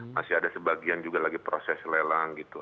masih ada sebagian juga lagi proses lelang gitu